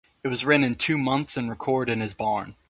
It was written in two months and recorded in his barn.